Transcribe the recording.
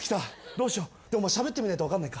どうしようでもしゃべってみないと分かんないか。